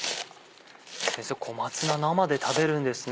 先生小松菜生で食べるんですね。